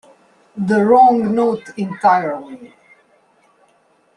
The wrong note entirely.